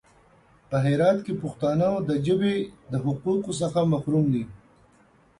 په هرات کې پښتانه د ژبې د حقوقو څخه محروم دي.